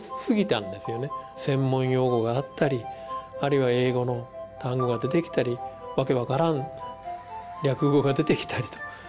専門用語があったりあるいは英語の単語が出てきたり訳分からん略語が出てきたりと大変なんですよ